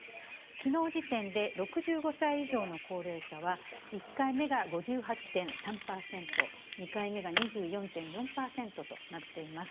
きのう時点で６５歳以上の高齢者は、１回目が５８．３％、２回目が２４．４％となっています。